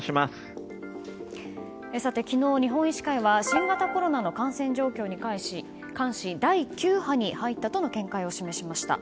昨日、日本医師会は新型コロナの感染状況に関し第９波に入ったとの見解を示しました。